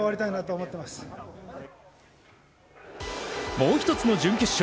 もう１つの準決勝